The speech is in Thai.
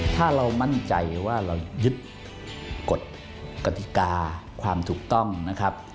ถ้าเรามั่นใจว่าเรายึดกฎกติกาความถูกต้องนะครับ